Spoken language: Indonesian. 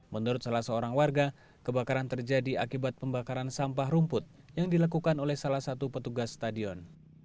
menurut salah seorang warga kebakaran terjadi akibat pembakaran sampah rumput yang dilakukan oleh salah satu petugas stadion